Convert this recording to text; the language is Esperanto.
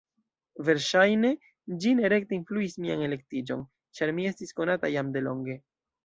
Verŝajne ĝi ne rekte influis mian elektiĝon, ĉar mi estis konata jam de longe.